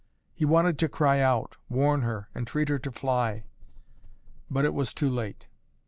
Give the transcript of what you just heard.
He wanted to cry out, warn her, entreat her to fly. But it was too late.